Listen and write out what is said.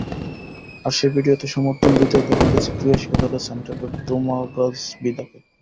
আর সেই ভিডিওতে সমর্থন দিতেও দেখা গেছে ক্রোয়েশিয়া দলের সেন্টারব্যাক দোমাগোজ ভিদাকে।